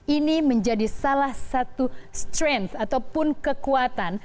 ini menjadi salah satu strength ataupun kekuatan